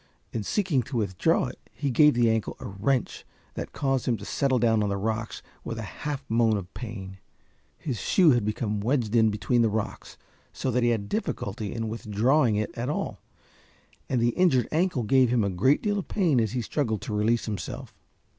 In seeking to withdraw it he gave the ankle a wrench that caused him to settle down on the rocks with a half moan of pain. His shoe had become wedged in between the rocks so that he had difficulty in withdrawing it at all, and the injured ankle gave him a great deal of pain as he struggled to release himself.